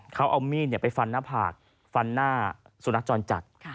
เขาเอามีดไปฟันหน้าผากฟันหน้าสุนัขจรจัด